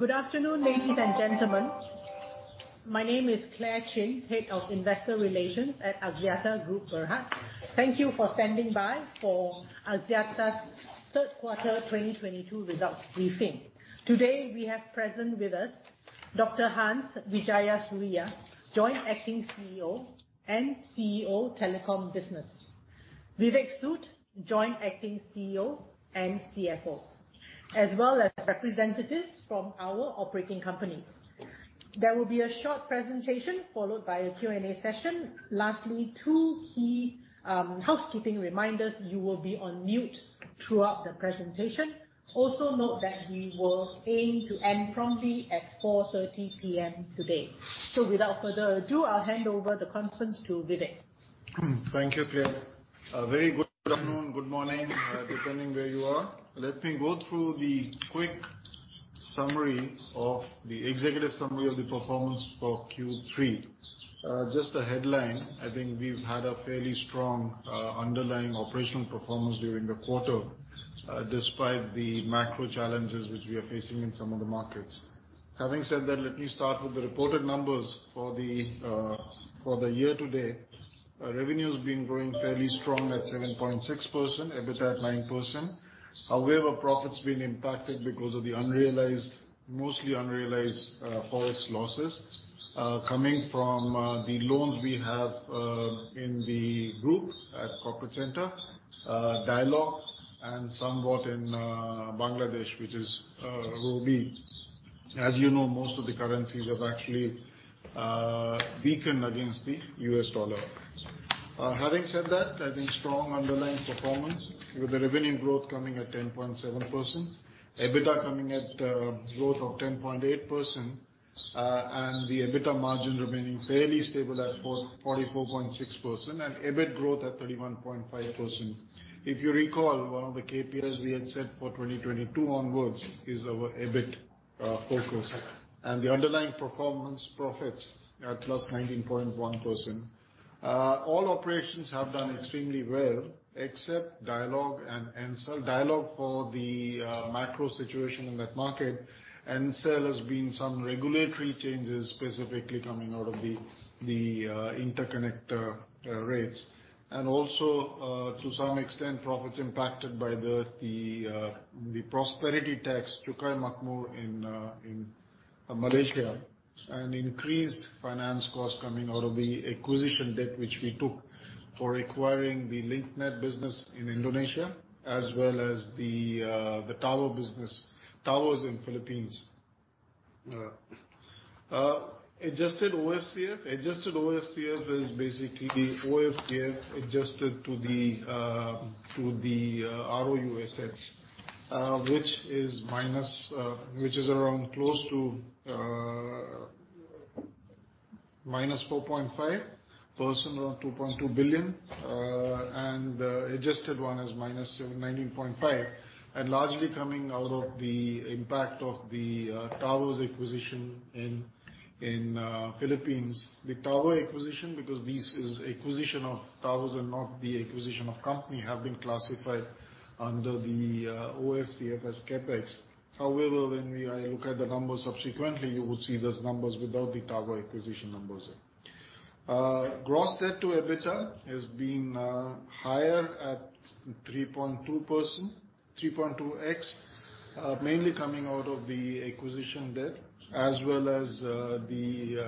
Good afternoon, ladies and gentlemen. My name is Clare Chin, Head of Investor Relations at Axiata Group Berhad. Thank you for standing by for Axiata's third quarter 2022 results briefing. Today, we have present with us Dr. Hans Wijayasuriya, Joint Acting CEO and CEO Telecom Business. Vivek Sood, Joint Acting CEO and CFO, as well as representatives from our operating companies. There will be a short presentation followed by a Q&A session. Lastly, two key housekeeping reminders. You will be on mute throughout the presentation. Note that we will aim to end promptly at 4:30 P.M. today. Without further ado, I'll hand over the conference to Vivek. Thank you, Clare. A very good afternoon, good morning, depending where you are. Let me go through the quick summary of the executive summary of the performance for Q3. Just a headline. I think we've had a fairly strong underlying operational performance during the quarter, despite the macro challenges which we are facing in some of the markets. Having said that, let me start with the reported numbers for the year to date. Revenue's been growing fairly strong at 7.6%, EBITDA at 9%. However, profit's been impacted because of the unrealized, mostly unrealized, Forex losses, coming from the loans we have in the group at corporate center, Dialog, and somewhat in Bangladesh, which is Robi. As you know, most of the currencies have actually weakened against the U.S. dollar. Having said that, I think strong underlying performance with the revenue growth coming at 10.7%. EBITDA coming at growth of 10.8%, and the EBITDA margin remaining fairly stable at 44.6% and EBIT growth at 31.5%. If you recall, one of the KPIs we had set for 2022 onwards is our EBIT focus. The underlying performance profits are at +19.1%. All operations have done extremely well except Dialog and Ncell. Dialog for the macro situation in that market. Ncell has been some regulatory changes, specifically coming out of the interconnect rates. Also, to some extent, profits impacted by the prosperity tax, Cukai Makmur in Malaysia, and increased finance costs coming out of the acquisition debt which we took for acquiring the Link Net business in Indonesia as well as the tower business, towers in Philippines. Adjusted OFCF. Adjusted OFCF is basically OFCF adjusted to the ROU assets, which is minus, which is around close to -4.5% or MYR 2.2 billion. Adjusted one is -19.5%, and largely coming out of the impact of the towers acquisition in Philippines. The tower acquisition because this is acquisition of towers and not the acquisition of company, have been classified under the OFCF as CapEx. However, when we look at the numbers subsequently, you would see those numbers without the tower acquisition numbers. Gross debt to EBITDA has been higher at 3.2x, mainly coming out of the acquisition debt, as well as the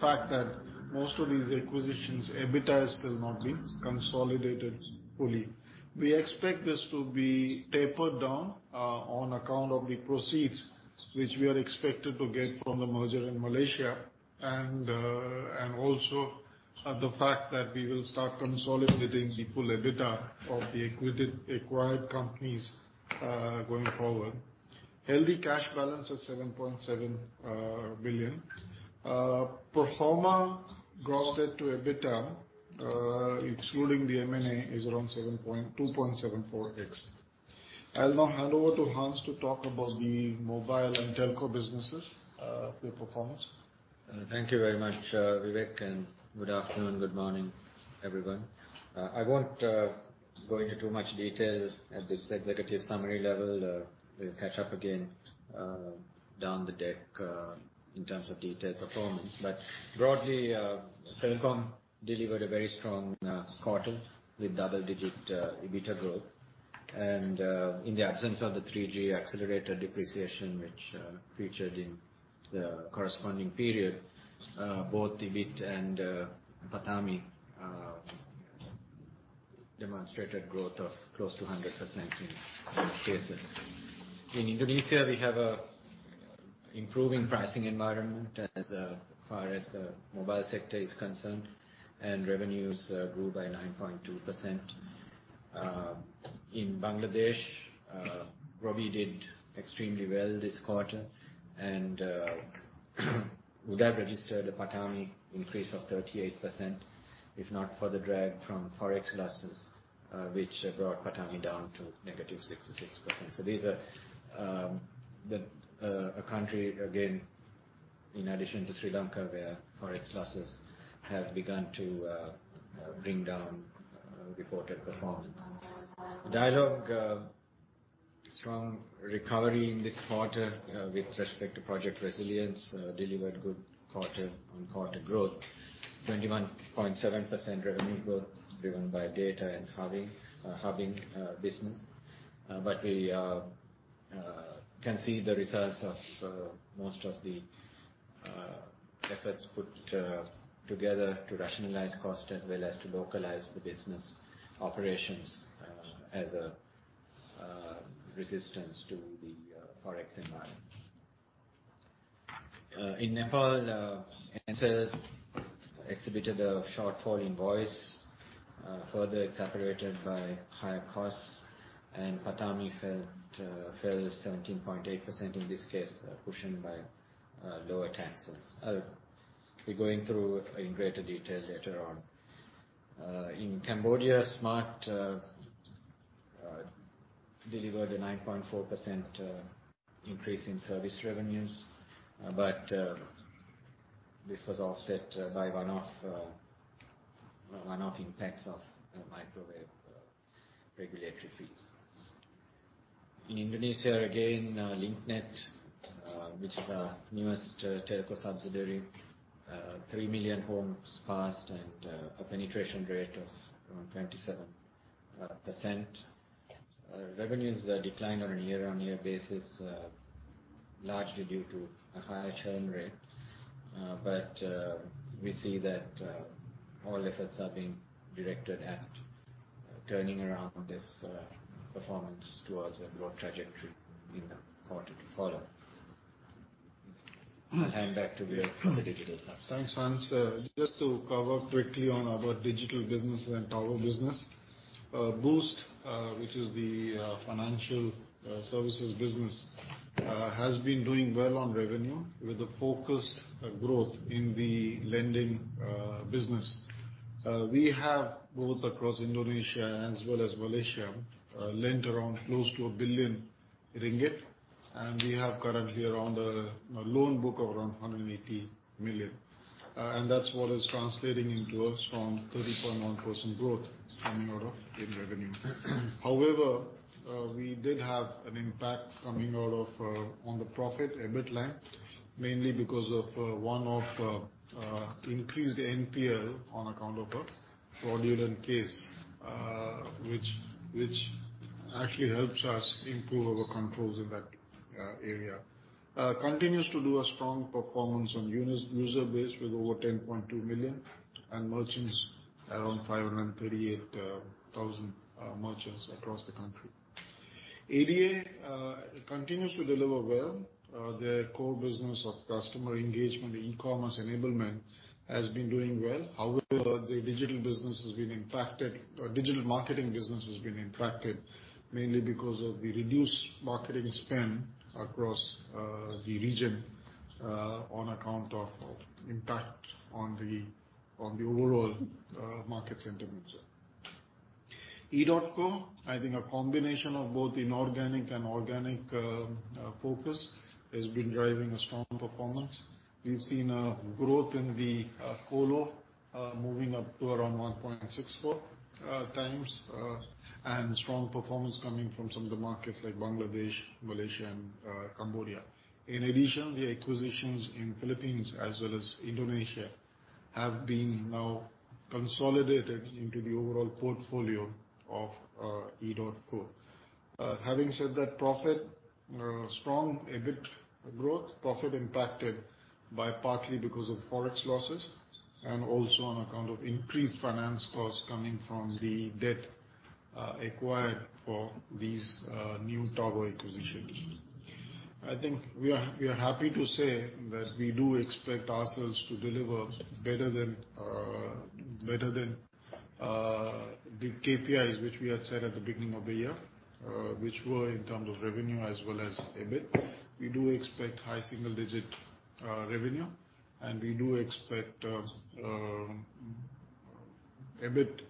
fact that most of these acquisitions, EBITDA still not been consolidated fully. We expect this to be tapered down on account of the proceeds which we are expected to get from the merger in Malaysia, and also the fact that we will start consolidating the full EBITDA of the acquired companies going forward. Healthy cash balance of 7.7 billion. Pro forma gross debt to EBITDA, excluding the M&A, is around 2.74x. I'll now hand over to Hans to talk about the mobile and telco businesses, their performance. Thank you very much, Vivek, and good afternoon, good morning, everyone. I won't go into too much detail at this executive summary level. We'll catch up again down the deck in terms of detailed performance. But broadly, Telkom delivered a very strong quarter with double-digit EBITDA growth. In the absence of the 3G accelerated depreciation which featured in the corresponding period, both EBIT and PATAMI demonstrated growth of close to 100% in both cases. In Indonesia, we have a improving pricing environment as far as the mobile sector is concerned, and revenues grew by 9.2%. In Bangladesh, Robi did extremely well this quarter would have registered a PATAMI increase of 38% if not for the drag from Forex losses, which brought PATAMI down to -66%. These are a country again in addition to Sri Lanka, where Forex losses have begun to bring down reported performance. Dialog, strong recovery in this quarter, with respect to Project Resilience, delivered good quarter-on-quarter growth. 21.7% revenue growth driven by data and hubbing business. We can see the results of most of the efforts put together to rationalize cost as well as to localize the business operations as a resistance to the Forex environment. In Nepal, Ncell exhibited a shortfall in voice, further exacerbated by higher costs. PATAMI fell 17.8% in this case, cushioned by lower taxes. We're going through in greater detail later on. In Cambodia, Smart delivered a 9.4% increase in service revenues. This was offset by one-off impacts of microwave regulatory fees. In Indonesia, again, Link Net, which is our newest teleco subsidiary, 3 million homes passed and a penetration rate of around 27%. Revenues declined on a year-on-year basis, largely due to a higher churn rate. We see that all efforts are being directed at turning around this performance towards a growth trajectory in the quarter to follow. I'll hand back to Vivek for the digital subset. Thanks, Hans. Just to cover quickly on our digital business and tower business. Boost, which is the financial services business, has been doing well on revenue with a focused growth in the lending business. We have both across Indonesia as well as Malaysia, lent around close to 1 billion ringgit, and we have currently around a loan book of around 180 million. That's what is translating into a strong 30.1% growth coming out of in revenue. However, we did have an impact coming out of on the profit EBIT line, mainly because of one-off increased NPL on account of a fraudulent case, which actually helps us improve our controls in that area. Continues to do a strong performance on user base with over 10.2 million and merchants around 538,000 merchants across the country. ADA continues to deliver well. Their core business of customer engagement and e-commerce enablement has been doing well. However, the digital business has been impacted. Digital marketing business has been impacted mainly because of the reduced marketing spend across the region on account of impact on the overall market sentiment. edotco, I think a combination of both inorganic and organic focus has been driving a strong performance. We've seen a growth in the colo moving up to around 1.64 times and strong performance coming from some of the markets like Bangladesh, Malaysia, and Cambodia. In addition, the acquisitions in Philippines as well as Indonesia have been now consolidated into the overall portfolio of edotco. Having said that, profit, strong EBIT growth. Profit impacted by partly because of Forex losses and also on account of increased finance costs coming from the debt acquired for these new tower acquisitions. I think we are happy to say that we do expect ourselves to deliver better than the KPIs which we had set at the beginning of the year, which were in terms of revenue as well as EBIT. We do expect high single digit revenue, and we do expect EBIT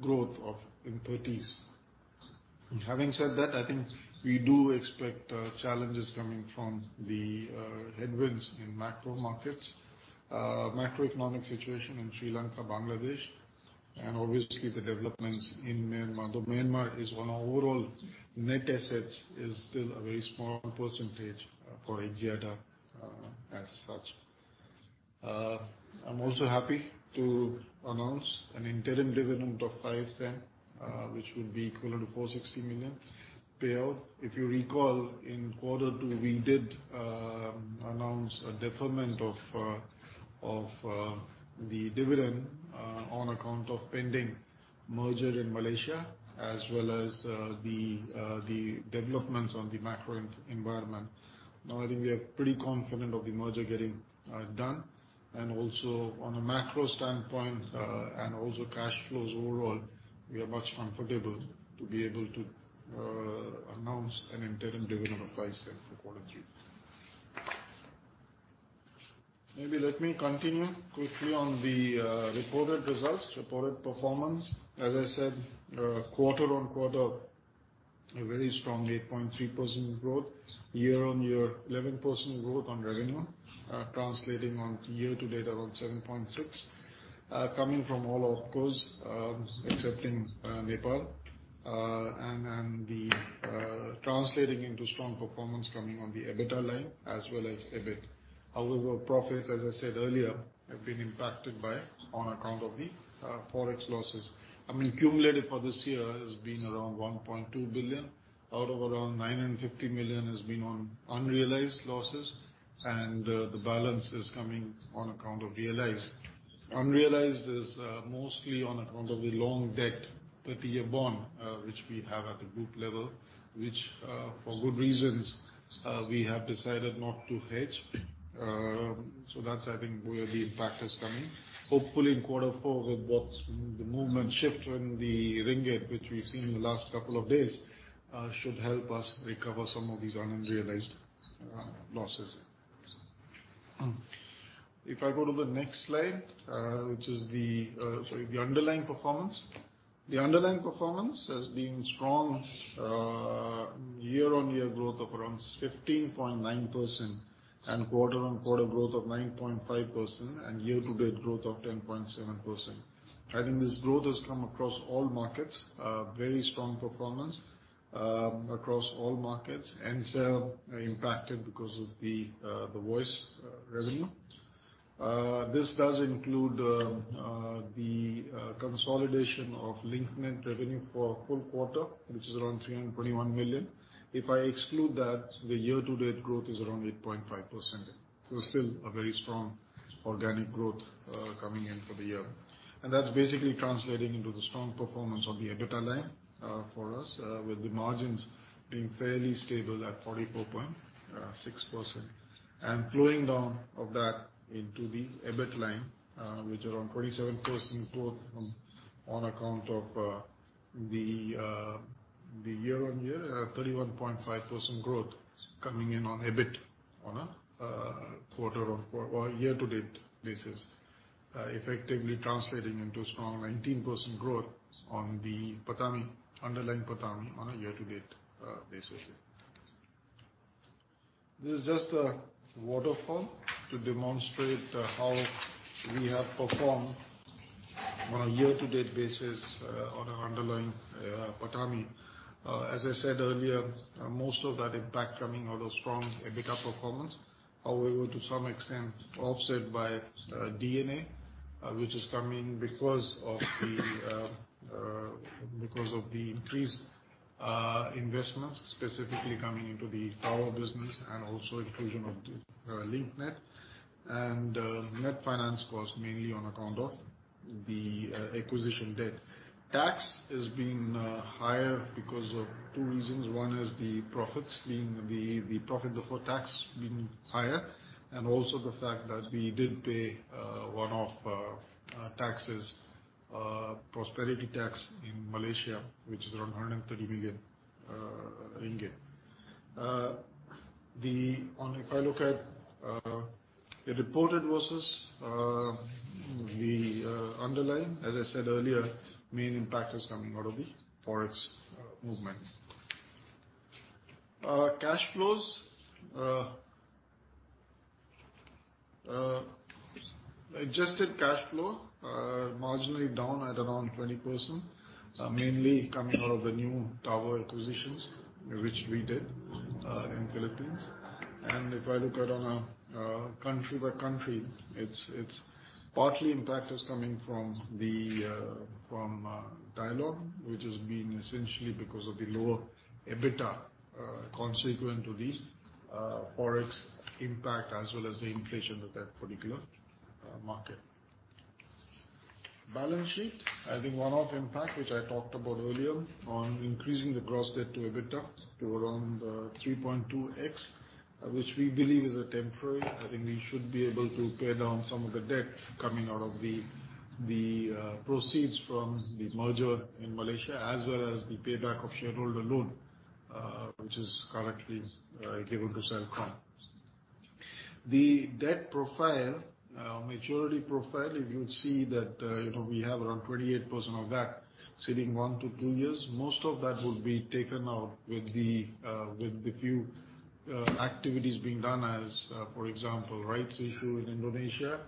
growth of in thirties. Having said that, I think we do expect challenges coming from the headwinds in macro markets, macroeconomic situation in Sri Lanka, Bangladesh, and obviously the developments in Myanmar. Though Myanmar is one of overall net assets is still a very small percentage for Axiata as such. I'm also happy to announce an interim dividend of 0.05, which would be equivalent to 460 million payout. If you recall, in Q2, we did announce a deferment of the dividend on account of pending merger in Malaysia as well as the developments on the macro environment. Now, I think we are pretty confident of the merger getting done. Also on a macro standpoint, and also cash flows overall, we are much comfortable to be able to announce an interim dividend of MYR 0.05 for quarter three. Maybe let me continue quickly on the reported results, reported performance. As I said, quarter-on-quarter, a very strong 8.3% growth year-on-year. 11% growth on revenue, translating on year-to-date around 7.6%. Coming from all opcos, excepting Nepal. Translating into strong performance coming on the EBITDA line as well as EBIT. However, profits, as I said earlier, have been impacted by on account of the Forex losses. I mean, cumulative for this year has been around 1.2 billion, out of around 950 million has been on unrealized losses, and the balance is coming on account of realized. Unrealized is mostly on account of the long debt, 30-year bond, which we have at the group level, which for good reasons, we have decided not to hedge. That's, I think, where the impact is coming. Hopefully, in Q4, with the movement shift in the ringgit, which we've seen in the last couple of days, should help us recover some of these unrealized losses. If I go to the next slide, which is the underlying performance. The underlying performance has been strong, year-on-year growth of around 15.9% and quarter-on-quarter growth of 9.5% and year-to-date growth of 10.7%. I think this growth has come across all markets, very strong performance, across all markets, and Celcom are impacted because of the voice revenue. This does include the consolidation of Link Net revenue for a full quarter, which is around 321 million. If I exclude that, the year-to-date growth is around 8.5%. Still a very strong organic growth coming in for the year. That's basically translating into the strong performance on the EBITDA line for us, with the margins being fairly stable at 44.6%. Flowing down of that into the EBIT line, which around 27% growth on account of the year-on-year 31.5% growth coming in on EBIT on a year-to-date basis. Effectively translating into a strong 19% growth on the PATAMI, underlying PATAMI on a year-to-date basis. This is just a waterfall to demonstrate how we have performed on a year-to-date basis on our underlying PATAMI. As I said earlier, most of that impact coming out of strong EBITDA performance, however, to some extent, offset by D&A, which is coming because of the increased investments specifically coming into the tower business and also inclusion of Link Net. Net finance cost mainly on account of the acquisition debt. Tax has been higher because of two reasons. One is the profits being the profit before tax being higher, and also the fact that we did pay one-off taxes, prosperity tax in Malaysia, which is around 130 million ringgit. If I look at the reported versus the underlying, as I said earlier, main impact is coming out of the Forex movement. Cash flows. Adjusted cash flow marginally down at around 20%, mainly coming out of the new tower acquisitions which we did in Philippines. If I look at on a country by country, it's partly impact is coming from Dialog, which has been essentially because of the lower EBITDA, consequent to the Forex impact as well as the inflation of that particular market. Balance sheet. I think one-off impact, which I talked about earlier, on increasing the gross debt to EBITDA to around 3.2x, which we believe is a temporary. I think we should be able to pay down some of the debt coming out of the proceeds from the merger in Malaysia as well as the payback of shareholder loan, which is currently given to Celcom. The debt profile, maturity profile, if you would see that, we have around 28% of that sitting one-two years. Most of that would be taken out with the few activities being done as, for example, rights issue in Indonesia.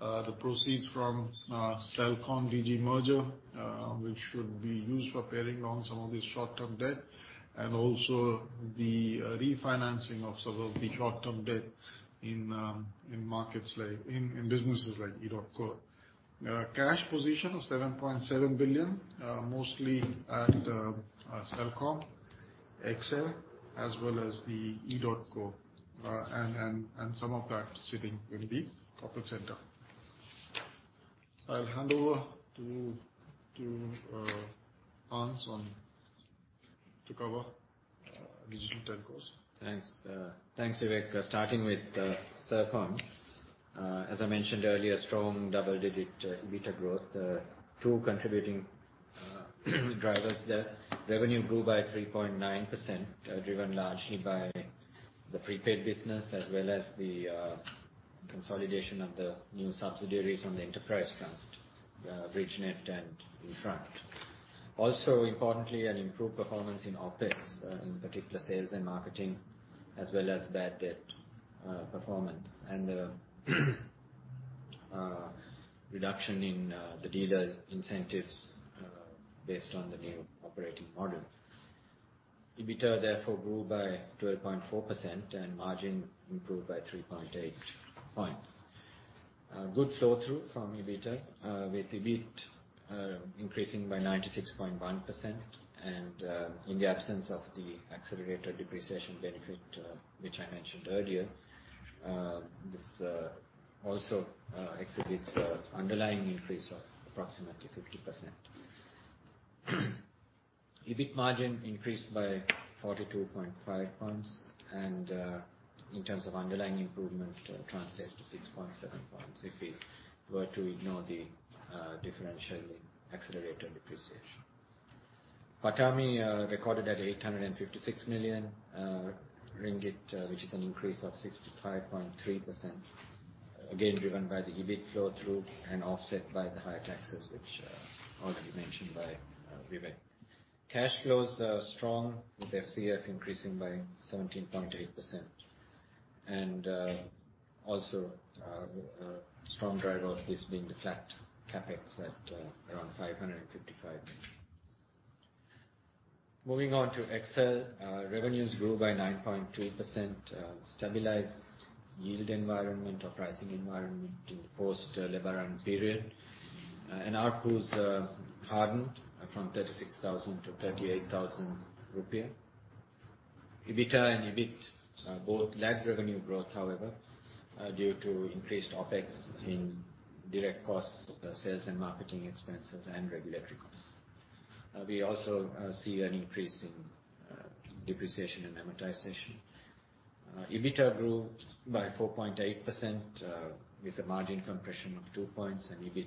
The proceeds from Celcom-Digi merger, which should be used for paying down some of this short-term debt and also the refinancing of some of the short-term debt in businesses like edotco. Cash position of 7.7 billion, mostly at Celcom, AXIS, as well as the edotco, and some of that sitting with the corporate center. I'll hand over to Hans to cover Digital Telcos. Thanks. Thanks, Vivek. Starting with Celcom. As I mentioned earlier, strong double-digit EBITDA growth. Two contributing drivers there. Revenue grew by 3.9%, driven largely by the prepaid business as well as the consolidation of the new subsidiaries on the enterprise front, Bridgenet and Infront. Also, importantly, an improved performance in OpEx, in particular sales and marketing, as well as bad debt performance. Reduction in the dealer incentives, based on the new operating model. EBITDA therefore grew by 12.4%, and margin improved by 3.8 points. Good flow-through from EBITDA, with EBIT increasing by 96.1%. In the absence of the accelerated depreciation benefit, which I mentioned earlier, this also exhibits a underlying increase of approximately 50%. EBIT margin increased by 42.5 points. In terms of underlying improvement, translates to 6.7 points if we were to ignore the differential in accelerated depreciation. PATAMI recorded at 856 million ringgit, which is an increase of 65.3%. Again, driven by the EBIT flow-through and offset by the higher taxes, which already mentioned by Vivek. Cash flows are strong, with FCF increasing by 17.8%. Also, strong driver of this being the flat CapEx at around 555 million. Moving on to XL. Revenues grew by 9.2%. Stabilized yield environment or pricing environment in the post-Lebaran period. ARPU was hardened from 36,000 to 38,000 rupiah. EBITDA and EBIT both lagged revenue growth, however, due to increased OpEx in direct costs of the sales and marketing expenses and regulatory costs. We also see an increase in depreciation and amortization. EBITDA grew by 4.8%, with a margin compression of 2 points, and EBIT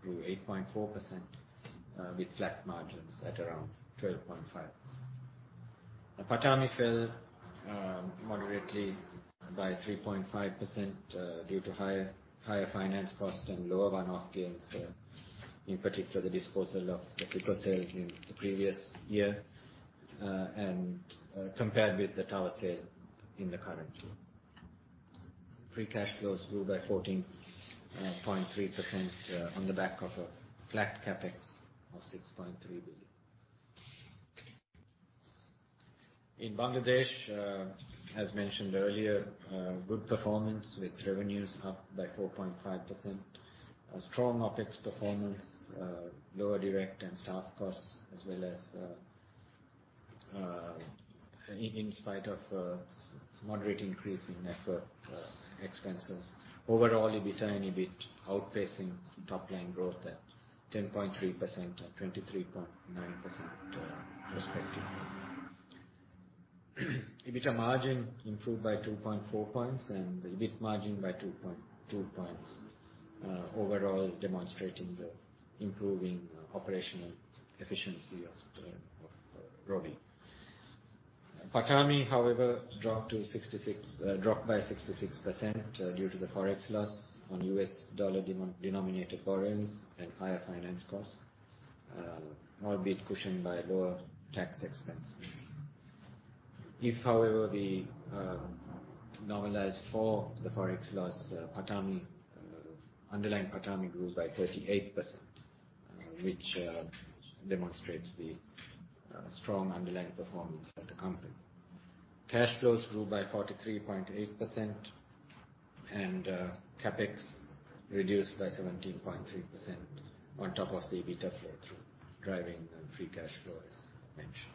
grew 8.4%, with flat margins at around 12.5%. PATAMI fell moderately by 3.5%, due to higher finance cost and lower one-off gains. In particular, the disposal of the tower sales in the previous year, and compared with the tower sale in the current year. Free cash flows grew by 14.3%, on the back of a flat CapEx of 6.3 billion. In Bangladesh, as mentioned earlier, good performance with revenues up by 4.5%. A strong OpEx performance, lower direct and staff costs, as well as in spite of moderate increase in network expenses. Overall, EBITDA and EBIT outpacing top line growth at 10.3% and 23.9%, respectively. EBITDA margin improved by 2.4 points and the EBIT margin by 2.2 points. Overall demonstrating the improving operational efficiency of Robi. PATAMI, however, dropped by 66% due to the Forex loss on U.S. dollar denominated borrowings and higher finance costs, albeit cushioned by lower tax expenses. If, however, we normalize for the forex loss, PATAMI, underlying PATAMI grew by 38%, which demonstrates the strong underlying performance of the company. Cash flows grew by 43.8% and CapEx reduced by 17.3% on top of the EBITDA flow-through, driving the free cash flow, as mentioned.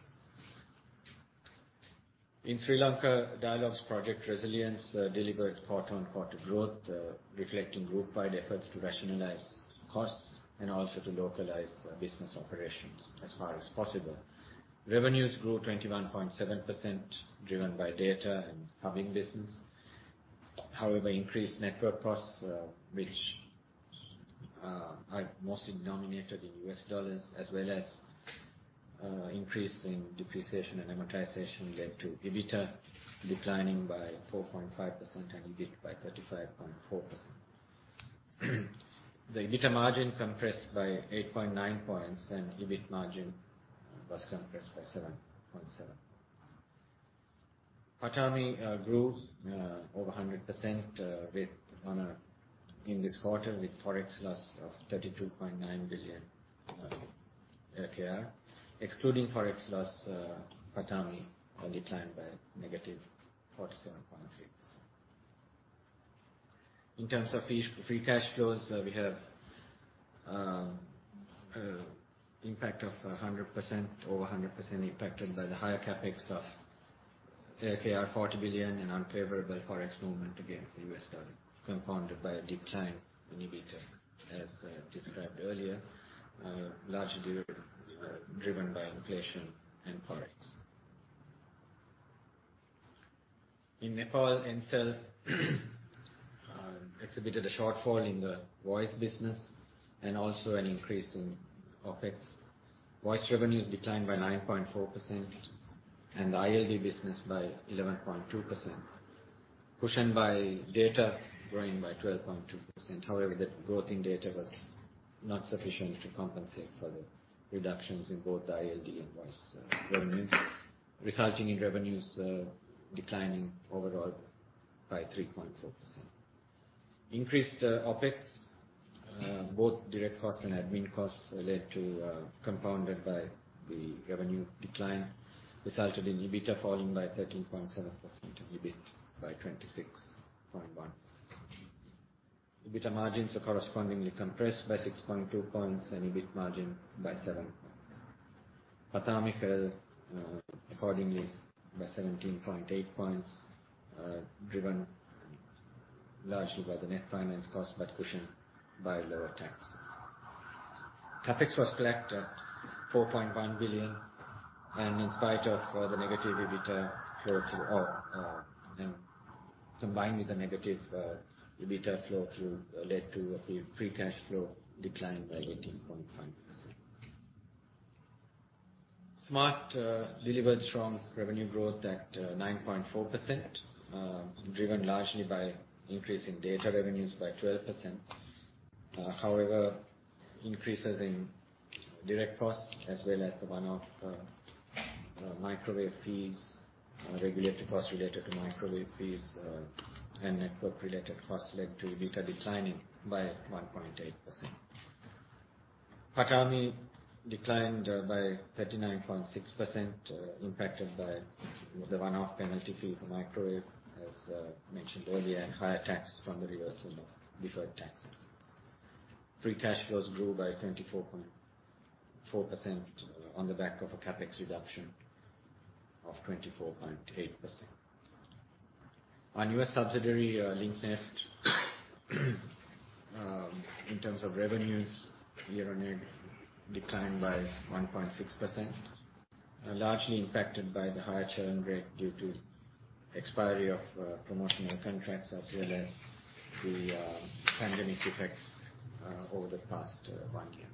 In Sri Lanka, Dialog's Project Resilience delivered quarter-on-quarter growth, reflecting group-wide efforts to rationalize costs and also to localize business operations as far as possible. Revenues grew 21.7% driven by data and hubbing business. However, increased network costs, which are mostly denominated in U.S. dollars, as well as increase in depreciation and amortization, led to EBITDA declining by 4.5% and EBIT by 35.4%. The EBITDA margin compressed by 8.9 points and EBIT margin was compressed by 7.7 points. PATAMI grew over 100% with one-off in this quarter with Forex loss of LKR 32.9 billion. Excluding Forex loss, PATAMI declined by -47.3%. In terms of free cash flows, we have impact of 100%, over 100% impacted by the higher CapEx of LKR 40 billion and unfavorable Forex movement against the U.S. dollar, compounded by a decline in EBITDA, as described earlier, largely due driven by inflation and Forex. In Nepal, Ncell exhibited a shortfall in the voice business and also an increase in OpEx. Voice revenues declined by 9.4%. The ILD business by 11.2%, cushioned by data growing by 12.2%. However, the growth in data was not sufficient to compensate for the reductions in both the ILD and voice revenues, resulting in revenues declining overall by 3.4%. Increased OpEx, both direct costs and admin costs led to, compounded by the revenue decline, resulted in EBITDA falling by 13.7% and EBIT by 26.1%. EBITDA margins are correspondingly compressed by 6.2 points and EBIT margin by 7 points. PATAMI fell accordingly by 17.8 points, driven largely by the net finance cost, but cushioned by lower taxes. CapEx was flat at 4.1 billion, in spite of the negative EBITDA flow through, or combined with the negative EBITDA flow through led to a free cash flow decline by 18.5%. Smart delivered strong revenue growth at 9.4%, driven largely by increase in data revenues by 12%. However, increases in direct costs as well as the one-off microwave fees, regulatory costs related to microwave fees, and network-related costs led to EBITDA declining by 1.8%. PATAMI declined by 39.6%, impacted by the one-off penalty fee for microwave, as mentioned earlier, and higher tax from the reversal of deferred taxes. Free cash flows grew by 24.4% on the back of a CapEx reduction of 24.8%. Our U.S. subsidiary, Link Net, in terms of revenues year-on-year declined by 1.6%, largely impacted by the higher churn rate due to expiry of promotional contracts as well as the pandemic effects over the past one year.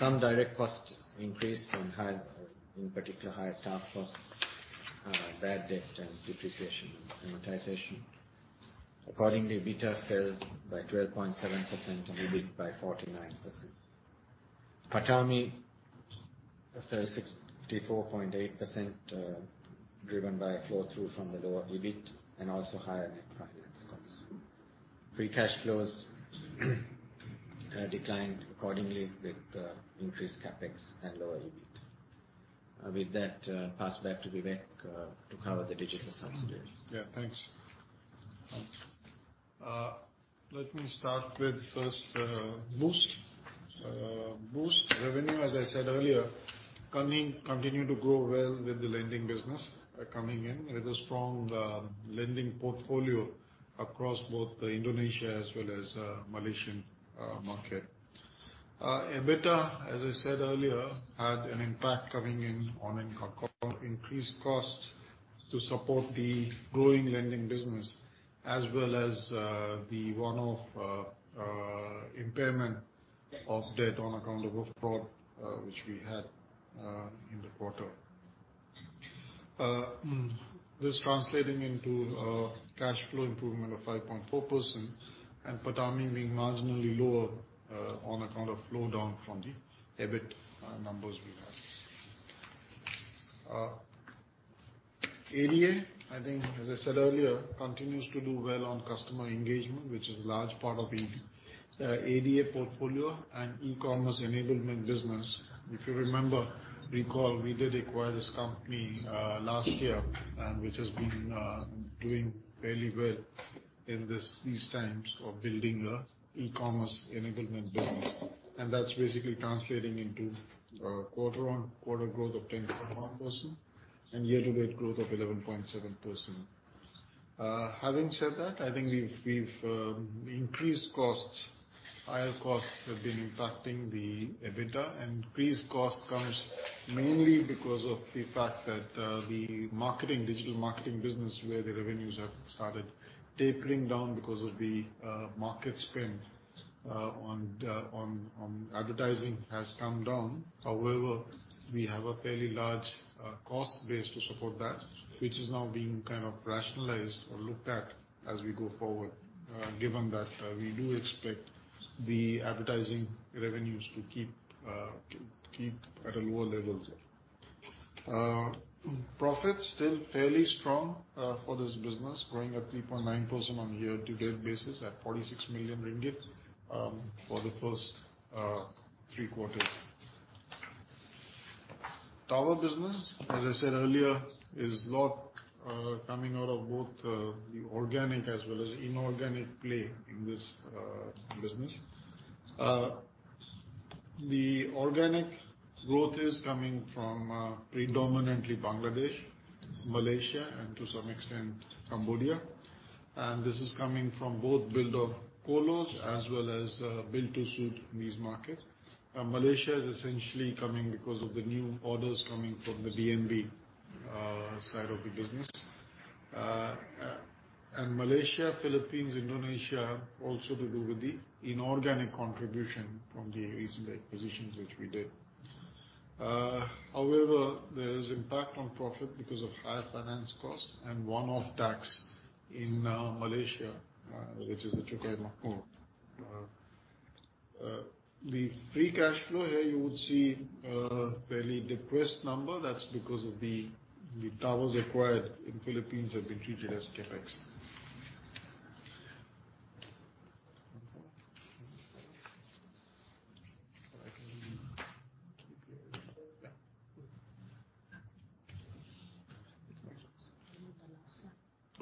Some direct costs increased and high, in particular, higher staff costs, bad debt, and depreciation and amortization. Accordingly, EBITDA fell by 12.7% and EBIT by 49%. PATAMI fell 64.8%, driven by a flow through from the lower EBIT and also higher net finance costs. Free cash flows declined accordingly with increased CapEx and lower EBIT. With that, pass back to Vivek to cover the digital subsidiaries. Thanks. Let me start with first, Boost. Boost revenue, as I said earlier, continue to grow well with the lending business, coming in with a strong lending portfolio across both the Indonesia as well as Malaysian market. EBITDA, as I said earlier, had an impact coming in on increased costs to support the growing lending business as well as the one-off impairment of debt on account of fraud, which we had in the quarter. This translating into cash flow improvement of 5.4% and PATAMI being marginally lower, on account of flow down from the EBIT numbers we have. ADA, I think, as I said earlier, continues to do well on customer engagement, which is a large part of ADA portfolio and e-commerce enablement business. If you remember, recall, we did acquire this company last year and which has been doing fairly well in these times of building the e-commerce enablement business. That's basically translating into quarter-on-quarter growth of 10.1% and year-to-date growth of 11.7%. Having said that, I think we've increased costs. Higher costs have been impacting the EBITDA, and increased cost comes mainly because of the fact that the marketing, digital marketing business, where the revenues have started tapering down because of the market spend on advertising has come down. We have a fairly large cost base to support that, which is now being kind of rationalized or looked at as we go forward, given that we do expect the advertising revenues to keep at a lower level. Profit still fairly strong for this business, growing at 3.9% on year-to-date basis at 46 million ringgit for the first three quarters. Tower business, as I said earlier, is lot coming out of both the organic as well as inorganic play in this business. The organic growth is coming from predominantly Bangladesh, Malaysia, and to some extent Cambodia. This is coming from both build of colos as well as build to suit in these markets. Malaysia is essentially coming because of the new orders coming from the B2B side of the business. Malaysia, Philippines, Indonesia also to do with the inorganic contribution from the recent acquisitions which we did. However, there is impact on profit because of higher finance costs and one-off tax in Malaysia, which is the Cukai Makmur. The free cash flow here you would see a fairly depressed number. That's because of the towers acquired in Philippines have been treated as CapEx.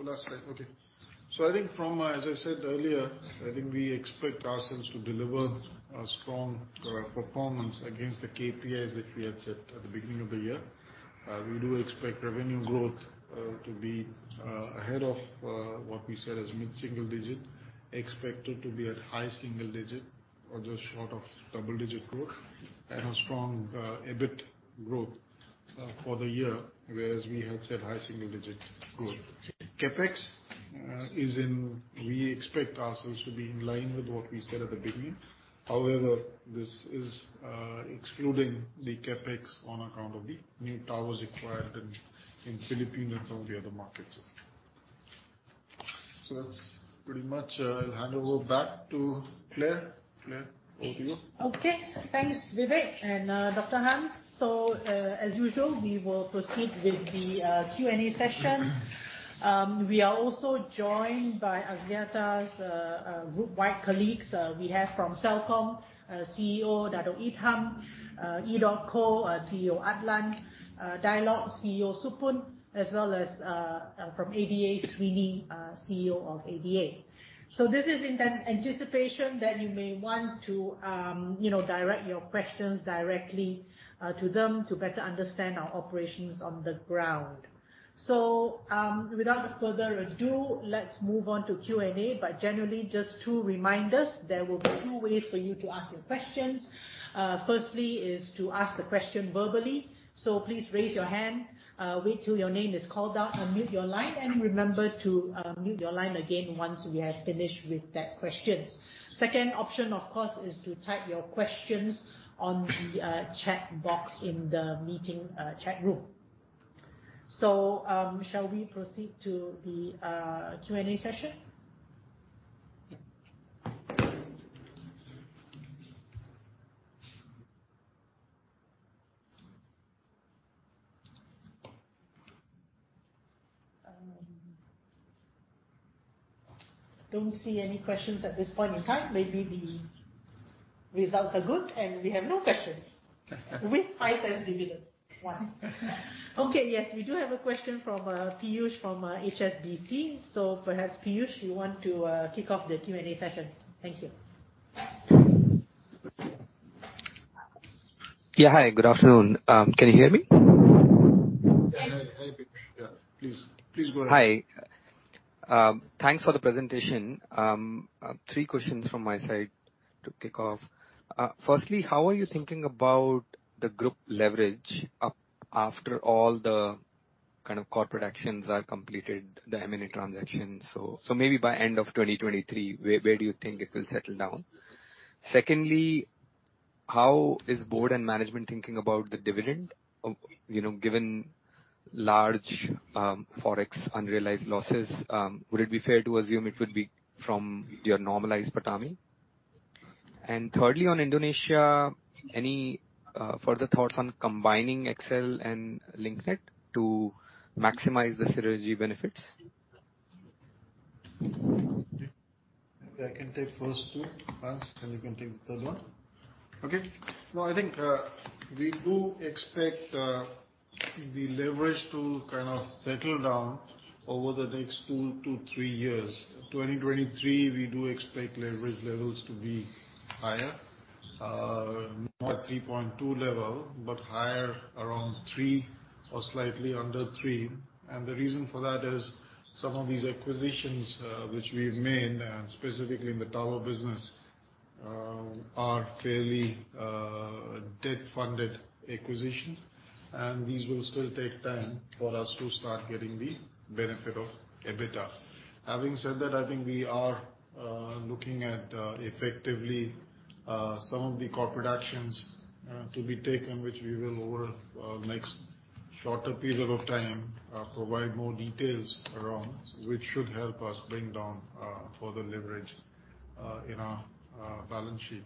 The last slide. Okay. I think from, as I said earlier, I think we expect ourselves to deliver a strong performance against the KPIs that we had set at the beginning of the year. We do expect revenue growth to be ahead of what we said as mid-single digit. Expect it to be at high single-digit or just short of double-digit growth and a strong EBIT growth for the year, whereas we had said high single-digit growth. CapEx. We expect ourselves to be in line with what we said at the beginning. However, this is excluding the CapEx on account of the new towers acquired in Philippines and some of the other markets. That's pretty much. I'll hand over back to Clare. Clare, over to you. Okay. Thanks, Vivek and Dr. Hans. As usual, we will proceed with the Q&A session. We are also joined by Axiata's group wide colleagues. We have from Celcom, CEO Datuk Idham, edotco, CEO Adlan, Dialog, CEO Supun, as well as from ADA, Srini, CEO of ADA. This is in anticipation that you may want to, you know, direct your questions directly to them to better understand our operations on the ground. Without further ado, let's move on to Q&A. Generally, just two reminders. There will be two ways for you to ask your questions. firstly is to ask the question verbally, so please raise your hand, wait till your name is called out, unmute your line and remember to mute your line again once we have finished with that questions. Second option, of course, is to type your questions on the chat box in the meeting chat room. shall we proceed to the Q&A session? don't see any questions at this point in time. Maybe the results are good and we have no questions. With high test dividend. One. Okay. Yes, we do have a question from Piyush from HSBC. perhaps, Piyush, you want to kick off the Q&A session. Thank you. Yeah. Hi, good afternoon. Can you hear me? Yeah. Hi. Hi, Piyush. Yeah. Please go ahead. Hi. Thanks for the presentation. Three questions from my side to kick off. Firstly, how are you thinking about the group leverage after all the kind of corporate actions are completed, the M&A transactions? Maybe by end of 2023, where do you think it will settle down? Secondly, how is board and management thinking about the dividend? You know, given large Forex unrealized losses, would it be fair to assume it will be from your normalized PATAMI? Thirdly, on Indonesia, any further thoughts on combining XL and Link Net to maximize the synergy benefits? I can take first two, Hans, then you can take the third one? Okay. No, I think we do expect the leverage to kind of settle down over the next two-three years. 2023, we do expect leverage levels to be higher, not at 3.2 level, but higher around three or slightly under three. The reason for that is some of these acquisitions, which we've made, specifically in the tower business, are fairly debt-funded acquisitions, and these will still take time for us to start getting the benefit of EBITDA. Having said that, I think we are looking at effectively some of the corporate actions to be taken, which we will over next shorter period of time provide more details around, which should help us bring down further leverage in our balance sheet.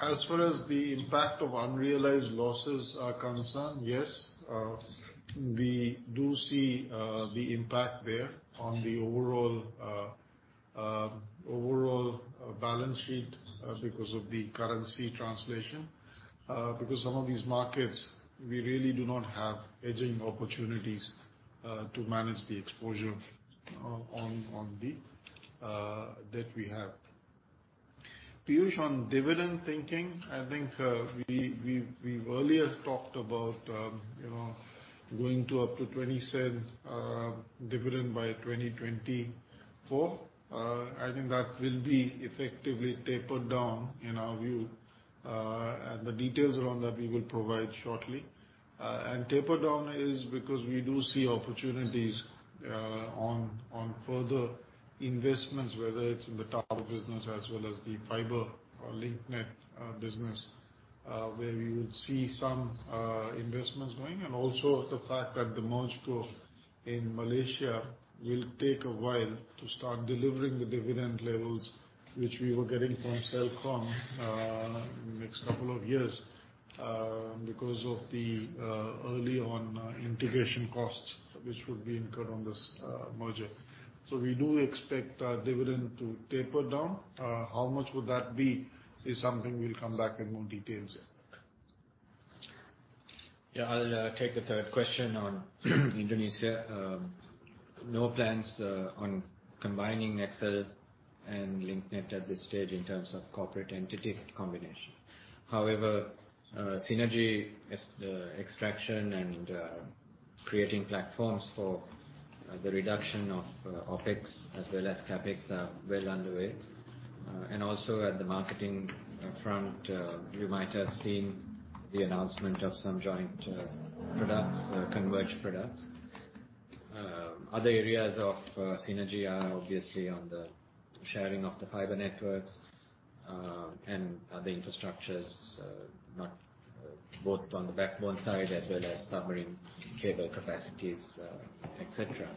As far as the impact of unrealized losses are concerned, yes, we do see the impact there on the overall balance sheet because of the currency translation. Because some of these markets, we really do not have hedging opportunities to manage the exposure on the debt we have. Piyush, on dividend thinking, I think we've earlier talked about, you know, going to up to 0.20 dividend by 2024. I think that will be effectively tapered down in our view. The details around that we will provide shortly. Taper down is because we do see opportunities on further investments, whether it's in the tower business as well as the fiber or Link Net business, where we would see some investments going. Also the fact that the merge through in Malaysia will take a while to start delivering the dividend levels which we were getting from Celcom next couple of years because of the early on integration costs which would be incurred on this merger. We do expect our dividend to taper down. How much would that be is something we'll come back with more details. Yeah, I'll take the third question on Indonesia. No plans on combining XL and Link Net at this stage in terms of corporate entity combination. Synergy extraction and creating platforms for the reduction of OpEx as well as CapEx are well underway. Also at the marketing front, you might have seen the announcement of some joint products, converged products. Other areas of synergy are obviously on the sharing of the fiber networks and other infrastructures, both on the backbone side as well as submarine cable capacities, et cetera.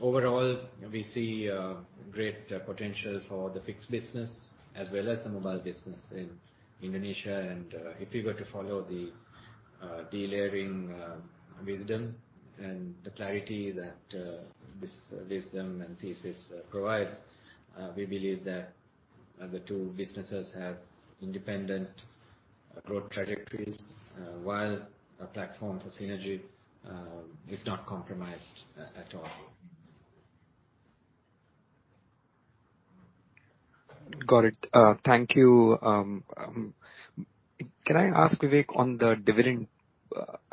Overall, we see great potential for the fixed business as well as the mobile business in Indonesia. If we were to follow the delayering wisdom and the clarity that this wisdom and thesis provides, we believe that the two businesses have independent growth trajectories, while a platform for synergy is not compromised at all. Got it. Thank you. Can I ask, Vivek, on the dividend,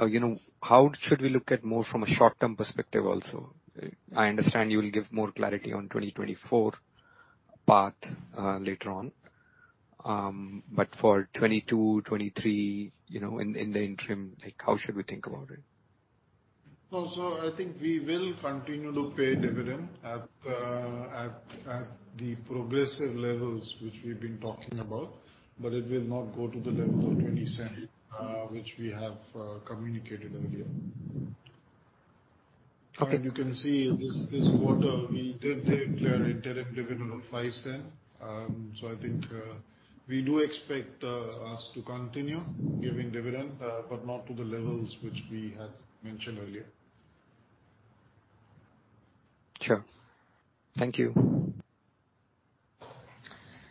you know, how should we look at more from a short-term perspective also? I understand you will give more clarity on 2024 path later on. For 2022, 2023, you know, in the interim, like, how should we think about it? I think we will continue to pay dividend at the progressive levels which we've been talking about, but it will not go to the levels of 0.20 which we have communicated earlier. Okay. You can see this quarter we did declare interim dividend of 0.05. I think we do expect us to continue giving dividend, but not to the levels which we had mentioned earlier. Sure. Thank you.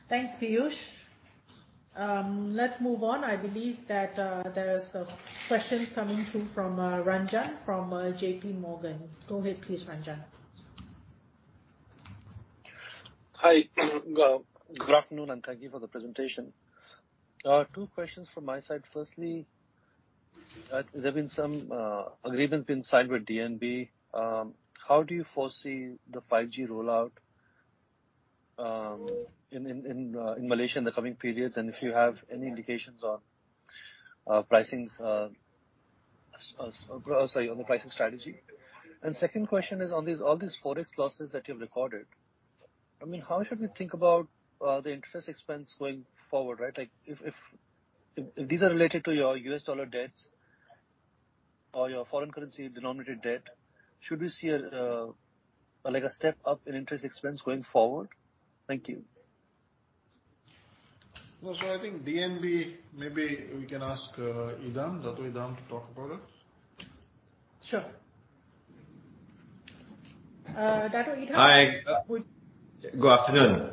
Thanks, Piyush. Let's move on. I believe that there's some questions coming through from Ranjan from JPMorgan. Go ahead, please, Ranjan. Hi. Good afternoon, thank you for the presentation. Two questions from my side. Firstly, there have been some agreements been signed with DNB. How do you foresee the 5G rollout in Malaysia in the coming periods? If you have any indications on pricings, on the pricing strategy. Second question is on these, all these Forex losses that you've recorded, I mean, how should we think about the interest expense going forward, right? Like, if these are related to your U.S. dollar debts or your foreign currency denominated debt, should we see a like a step up in interest expense going forward? Thank you. I think DNB maybe we can ask, Idham, Datuk Idham to talk about it. Sure. Datuk Idham Nawawi? Hi. Would- Good afternoon.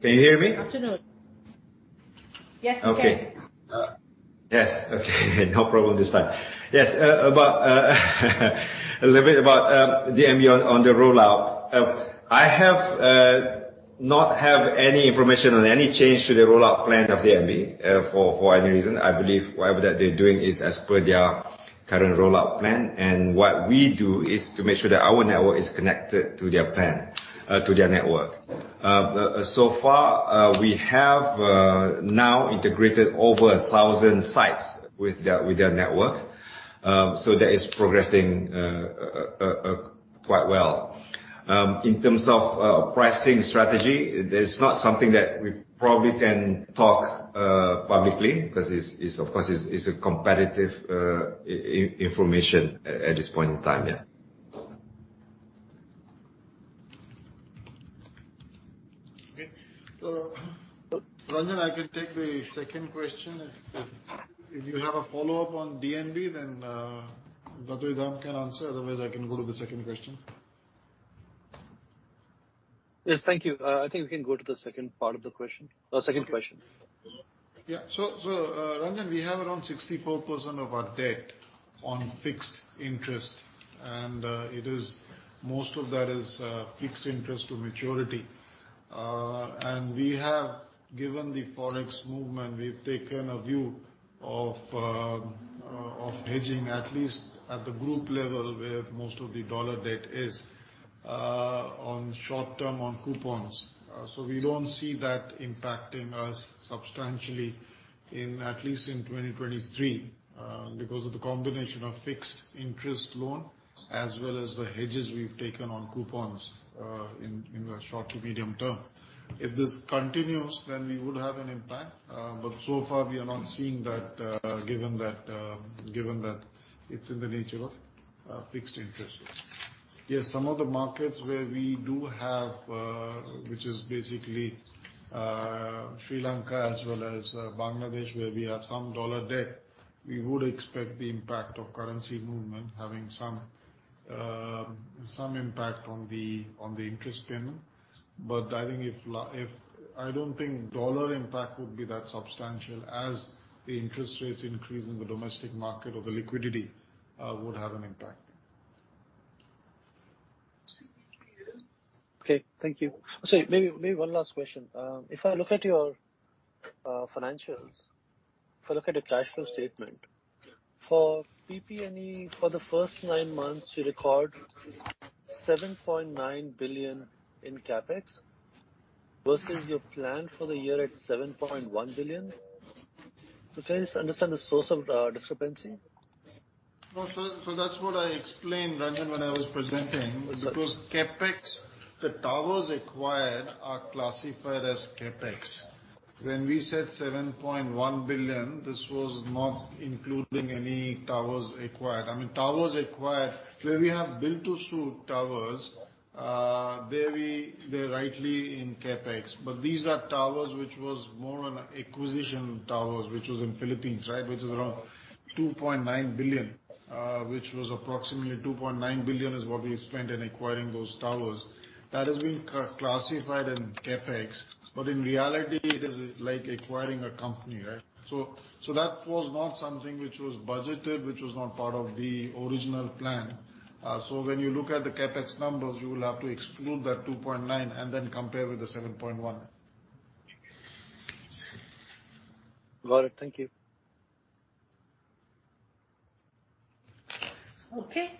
Can you hear me? Afternoon. Yes, we can. Okay. Yes. Okay. No problem this time. Yes, about a little bit about DNB on the rollout. I have not have any information on any change to the rollout plan of DNB for any reason. I believe whatever that they're doing is as per their current rollout plan. What we do is to make sure that our network is connected to their plan, to their network. So far, we have now integrated over 1,000 sites with their network. So that is progressing quite well. In terms of pricing strategy, that's not something that we probably can talk publicly 'cause it's, of course, it's a competitive information at this point in time. Yeah. Okay. Ranjan, I can take the second question if you have a follow-up on DNB, then Datuk Idham can answer. Otherwise, I can go to the second question. Yes. Thank you. I think we can go to the second part of the question. Second question. Ranjan, we have around 64% of our debt on fixed interest, and it is most of that is fixed interest to maturity. Given the Forex movement, we've taken a view of hedging, at least at the group level, where most of the dollar debt is on short-term on coupons. We don't see that impacting us substantially in, at least in 2023, because of the combination of fixed interest loan, as well as the hedges we've taken on coupons, in the short to medium term. If this continues, then we would have an impact, but so far we are not seeing that, given that it's in the nature of fixed interest. Yes, some of the markets where we do have, which is basically, Sri Lanka as well as Bangladesh, where we have some dollar debt, we would expect the impact of currency movement having some impact on the interest payment. I think I don't think dollar impact would be that substantial as the interest rates increase in the domestic market or the liquidity would have an impact. Okay. Thank you. Sorry, maybe one last question. If I look at your financials, if I look at the cash flow statement, for PP&E for the first nine months, you record 7.9 billion in CapEx versus your plan for the year at 7.1 billion. Can I just understand the source of the discrepancy? No. That's what I explained, Ranjan, when I was presenting. Okay. CapEx, the towers acquired are classified as CapEx. When we said 7.1 billion, this was not including any towers acquired. I mean, towers acquired where we have built to suit towers, they're rightly in CapEx. These are towers which was more on acquisition towers, which was in Philippines, right? Which is around 2.9 billion. Which was approximately 2.9 billion is what we spent in acquiring those towers. That has been classified in CapEx, in reality, it is like acquiring a company, right? That was not something which was budgeted, which was not part of the original plan. When you look at the CapEx numbers, you will have to exclude that 2.9 billion and then compare with the 7.1 billion. Got it. Thank you. Okay.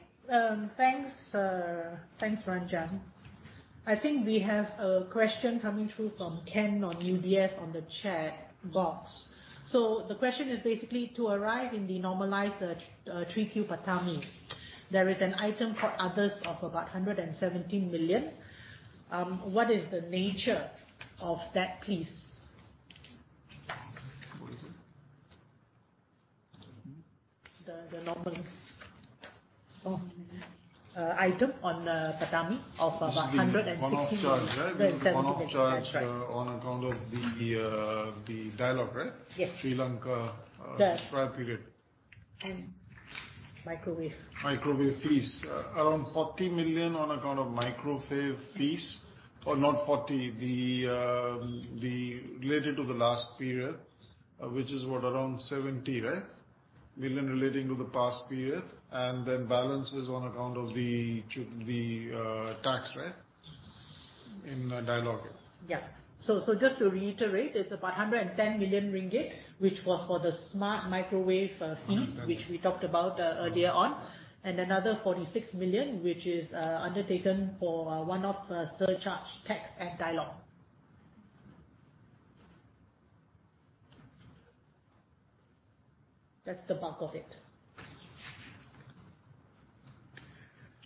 Thanks, thanks, Ranjan. I think we have a question coming through from Ken on UBS on the chat box. The question is basically to arrive in the normalized 3Q PATAMI. There is an item called others of about 170 million. What is the nature of that, please? What is it? The normals. Oh, item on PATAMI of about 160 million. This is the one-off charge, right? Yes. MYR 70 million. That's right. One-off charge, on account of the Dialog, right? Yes. Sri Lanka, prior period. Microwave. Microwave fees. Around 40 million on account of microwave fees. Or not 40, the related to the last period, which is what? Around 70, right? Million relating to the past period, and then balance is on account of the tax, right? In Dialog. Yeah. Just to reiterate, it's about 110 million ringgit, which was for the smart microwave. Fees. -which we talked about earlier on. Another 46 million, which is undertaken for one of surcharge tax at Dialog. That's the bulk of it.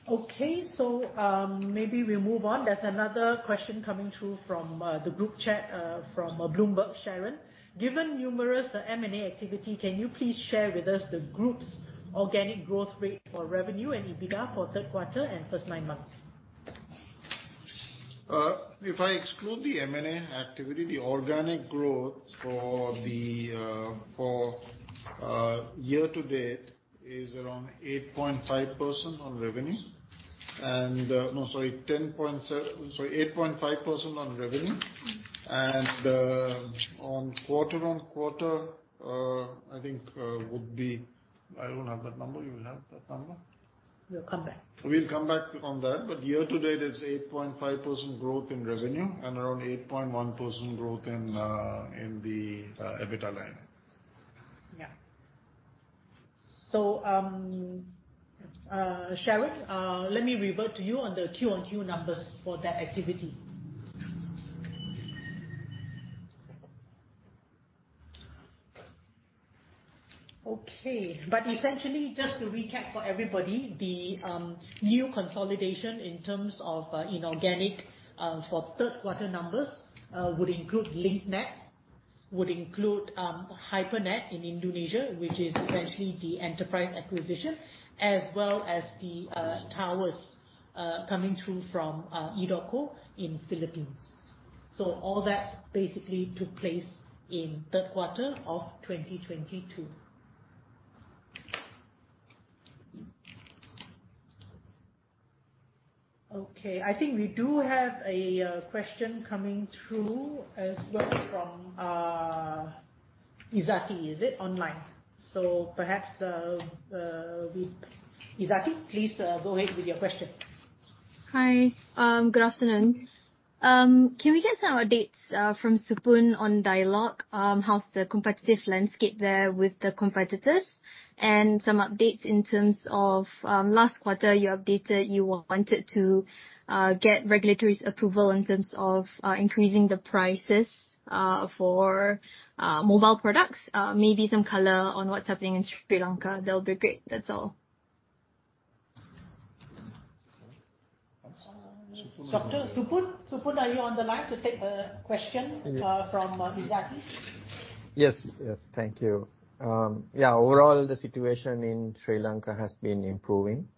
Okay. Maybe we move on. There's another question coming through from the group chat from Bloomberg, Sharon, given numerous M&A activity, can you please share with us the group's organic growth rate for revenue and EBITDA for third quarter and first nine months? If I exclude the M&A activity, the organic growth for the year to date is around 8.5% on revenue. No, sorry, 8.5% on revenue. On quarter-on-quarter, I think, would be... I don't have that number. You will have that number. We'll come back. We'll come back on that. Year to date, it's 8.5% growth in revenue and around 8.1% growth in the EBITDA line. Yeah. Sharon, let me revert to you on the Q-on-Q numbers for that activity. Okay. Essentially, just to recap for everybody, the new consolidation in terms of inorganic for third quarter numbers would include Link Net, would include Hypernet in Indonesia, which is essentially the enterprise acquisition, as well as the towers coming through from edotco in Philippines. All that basically took place in third quarter of 2022. Okay. I think we do have a question coming through as well from Izzati, is it online? Perhaps, Izzati, please, go ahead with your question. Hi. Good afternoon. Can we get some updates from Supun on Dialog? How's the competitive landscape there with the competitors? Some updates in terms of last quarter you updated you wanted to get regulatory's approval in terms of increasing the prices for mobile products. Maybe some color on what's happening in Sri Lanka? That'll be great. That's all. Dr. Supun. Supun, are you on the line to take the question from Izzati? Yes. Yes. Thank you. Overall, the situation in Sri Lanka has been improving.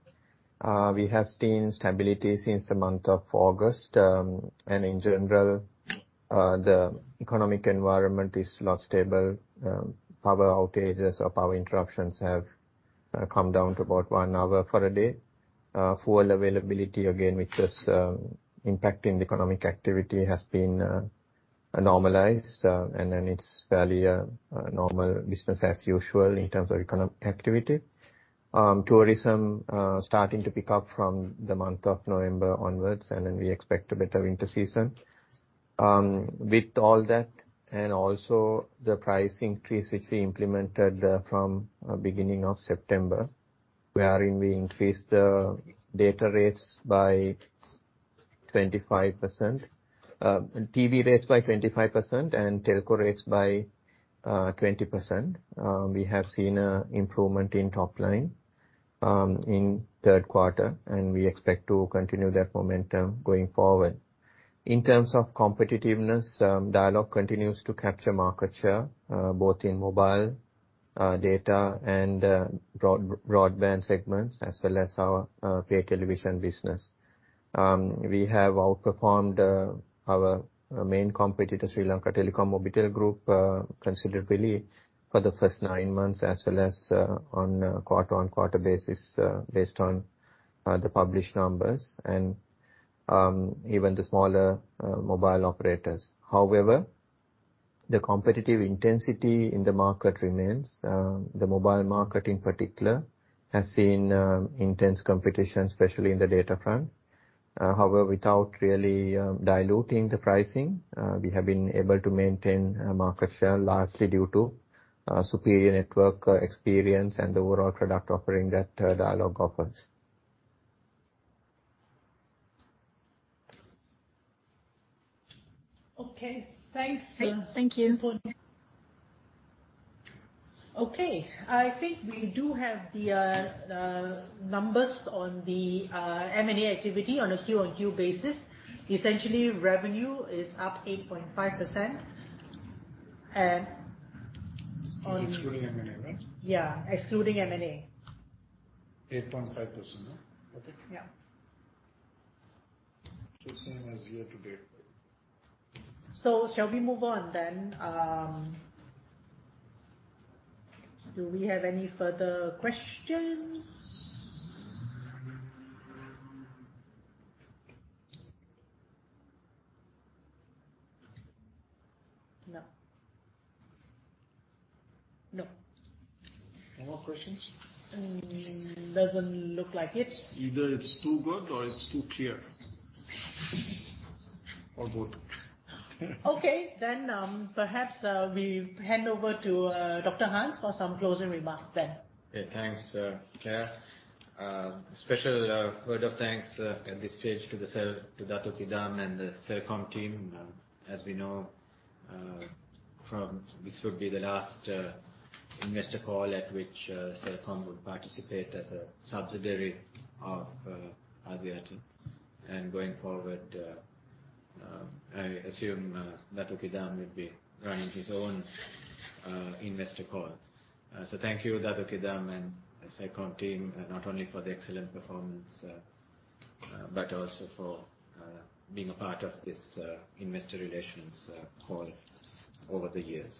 We have seen stability since the month of August. In general, the economic environment is now stable. Power outages or power interruptions have come down to about one hour for a day. Full availability again, which was impacting the economic activity has been normalized. It's fairly normal business as usual in terms of economic activity. Tourism, starting to pick up from the month of November onwards, and then we expect a better winter season. With all that, and also the price increase which we implemented, from beginning of September, wherein we increased data rates by 25%, TV rates by 25% and telco rates by 20%, we have seen an improvement in top line in third quarter, and we expect to continue that momentum going forward. In terms of competitiveness, Dialog continues to capture market share, both in mobile data and broadband segments, as well as our pay television business. We have outperformed our main competitor, SLTMobitel group, considerably for the first nine months, as well as on a quarter-on-quarter basis, based on the published numbers and even the smaller mobile operators. However, the competitive intensity in the market remains. The mobile market in particular has seen intense competition, especially in the data front. However, without really diluting the pricing, we have been able to maintain market share largely due to superior network experience and the overall product offering that Dialog offers. Okay. Thanks. Thank you. Supun. Okay. I think we do have the numbers on the M&A activity on a Q-on-Q basis. Essentially, revenue is up 8.5%. Excluding M&A, right? Yeah, excluding M&A. 8.5%, huh? Okay. Yeah. The same as year to date. Shall we move on then? Do we have any further questions? No. No. No more questions? Doesn't look like it. Either it's too good or it's too clear. Both. Okay. Perhaps, we hand over to Dr. Hans for some closing remarks then. Yeah, thanks, Clare. Special word of thanks at this stage to Datuk Idham and the Celcom team. As we know, this would be the last investor call at which Celcom would participate as a subsidiary of Axiata. Going forward, I assume Datuk Idham will be running his own investor call. Thank you Datuk Idham and Celcom team, not only for the excellent performance, but also for being a part of this investor relations call over the years.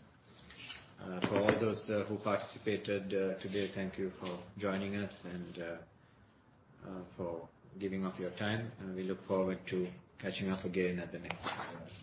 For all those who participated today, thank you for joining us and for giving up your time, and we look forward to catching up again at the next forum.